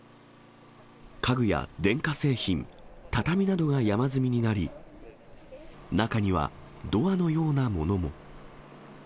家具や電化製品、畳などが山積みになり、中にはドアのようなものも。